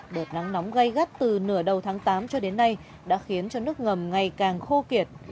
đợt nắng nóng gây gắt từ nửa đầu tháng tám cho đến nay đã khiến cho nước ngầm ngày càng khô kiệt